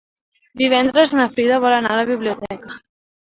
Divendres na Frida vol anar a la biblioteca.